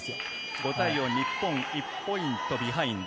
５対４、日本１ポイントビハインド。